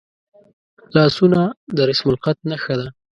لاسونه د رسمالخط نښه ده